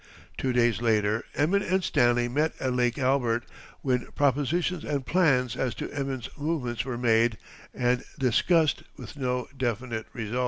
Two days later Emin and Stanley met at Lake Albert, when propositions and plans as to Emin's movements were made and discussed with no definite results.